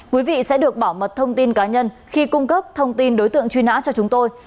quý vị sẽ được bảo mật thông tin cá nhân khi cung cấp thông tin đối tượng truy nã cho chúng tôi